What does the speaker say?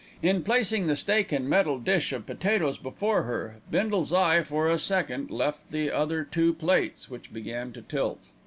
In placing the steak and metal dish of potatoes before her, Bindle's eye for a second left the other two plates, which began to tilt.